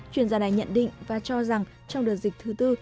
chuyên gia này nhận định và cho rằng trong đợt dịch thứ tư